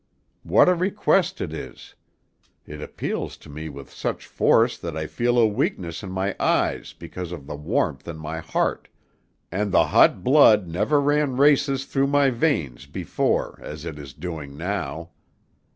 What a request it is! It appeals to me with such force that I feel a weakness in my eyes because of the warmth in my heart, and the hot blood never ran races through my veins before as it is doing now.